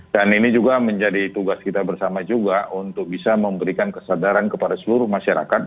dan ini juga menjadi tugas kita bersama juga untuk bisa memberikan kesadaran kepada seluruh masyarakat